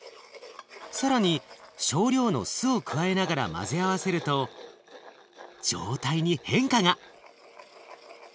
更に少量の酢を加えながら混ぜ合わせると状態に変化が。